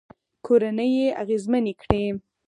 کورنۍ يې اغېزمنې کړې